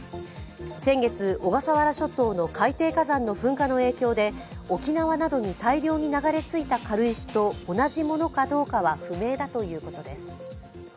先月、小笠原諸島の海底火山の噴火の影響で沖縄などに大量に流れ着いた軽石と同じものかどうかは不明だということです。